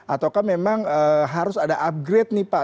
ataukah memang harus ada upgrade nih pak